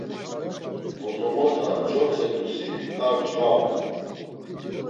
Bozomota cotzedusi ar mcvabu!